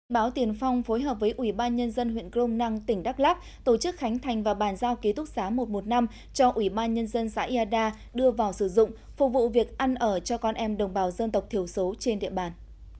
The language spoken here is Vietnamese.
báo tiền phong phối hợp với ủy ban nhân dân huyện crom năng tỉnh đắk lắc tổ chức khánh thành và bàn giao ký thúc xá một trăm một mươi năm cho ủy ban nhân dân xã yà đưa vào sử dụng phục vụ việc ăn ở cho con em đồng bào dân tộc thiểu số trên địa bàn